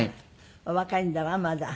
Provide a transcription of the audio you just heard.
お若いんだわまだ。